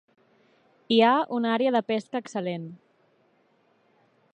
Hi ha una àrea de pesca excel·lent.